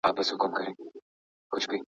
مالي ستونزې ورسره مل وې.